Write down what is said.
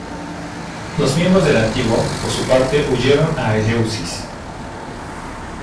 Los miembros del antiguo, por su parte, huyeron a Eleusis.